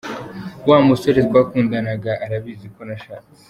Wa musore twakundanaga arabizi ko nashatse.